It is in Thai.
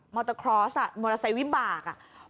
อเตอร์คลอสมอเตอร์ไซค์วิบากอ่ะ